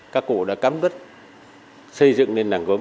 các cụ đã cắm bứt xây dựng lên làng gốm phủ lãng